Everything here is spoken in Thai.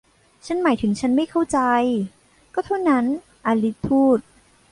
ฉันหมายถึงฉันไม่เข้าใจ ก็เท่านั้น อลิซพูด